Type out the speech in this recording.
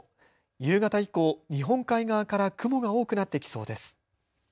夕方以降、日本海側から雲が多くなってきそうです。